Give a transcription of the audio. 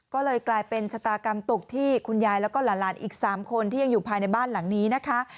ก็เลยกลายเป็นชะตากรรมตกที่คุณยายแล้วก็หลานอีก๓คนที่ยังอยู่ภายในบ้านหลังนี้นะคะ